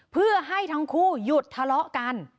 เพื่อให้ทั้งคู่หยุดทะเลาะกัน